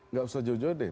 nggak usah jauh jauh deh